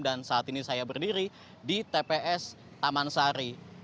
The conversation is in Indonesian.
dan saat ini saya berdiri di tps taman sari